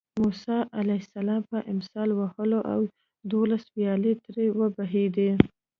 موسی علیه السلام په امسا ووهله او دولس ویالې ترې وبهېدې.